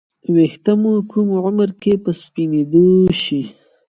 ې ویښته مو کوم عمر کې په سپینیدو شي